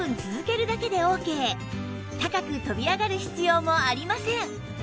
高く跳び上がる必要もありません